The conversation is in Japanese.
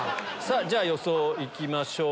じゃ予想いきましょう。